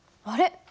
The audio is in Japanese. あれ？